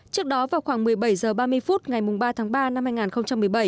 trước đó vào khoảng một mươi bảy h ba mươi phút ngày ba tháng ba năm hai nghìn một mươi bảy